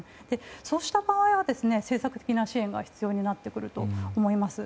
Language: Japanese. そうした場合は、政策的な支援が必要になってくると思います。